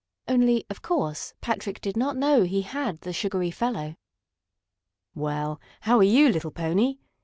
Only, of course, Patrick did not know he had the sugary fellow. "Well, how are you, little pony?"